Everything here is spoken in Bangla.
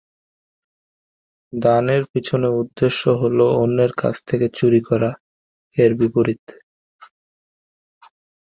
দানের পিছনে উদ্দেশ্য হল "অন্যের কাছ থেকে চুরি করা" এর বিপরীত।